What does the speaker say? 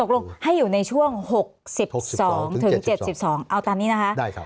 ลงให้อยู่ในช่วง๖๒ถึง๗๒เอาตามนี้นะคะ